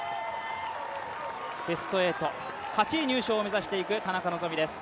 ベスト８、８位入賞を目指していく田中希実です。